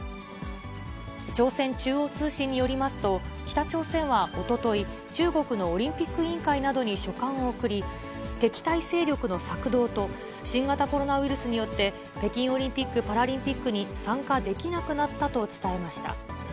朝鮮中央通信によりますと、北朝鮮はおととい、中国のオリンピック委員会などに書簡を送り、敵対勢力の策動と、新型コロナウイルスによって北京オリンピック・パラリンピックに参加できなくなったと伝えました。